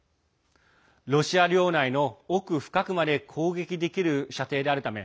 ロシア領内の奥深くまで攻撃できる射程であるため